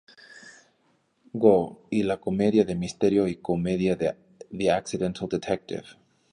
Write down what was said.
Go", y la comedia de misterio y comedia The Accidental Detective.